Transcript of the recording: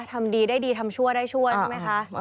ทำดีได้ดีทำชั่วได้ชั่วใช่ไหมคะ